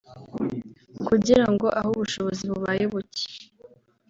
kugira ngo aho ubushobozi bubaye buke